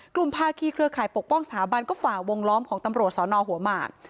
ภาคีเครือข่ายปกป้องสถาบันก็ฝ่าวงล้อมของตำรวจสอนอหัวหมาก